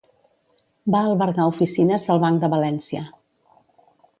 Va albergar oficines del Banc de València.